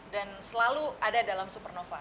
dan selalu ada dalam supernova